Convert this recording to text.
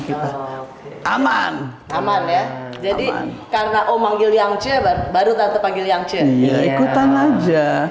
kita aman aman ya jadi karena oh manggil yang ch baru tante panggil yang c ikutan aja